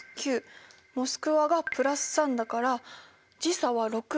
モスクワが＋３だから時差は６。